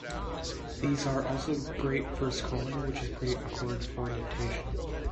These are also great for scrolling, which is pretty awkward with dictation.